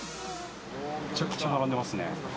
めちゃくちゃ並んでますね。